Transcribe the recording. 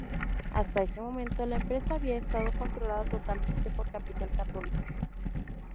Hasta ese momento, la empresa había estado controlada totalmente por capital católico.